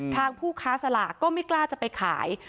ผู้ค้าสลากก็ไม่กล้าจะไปขาย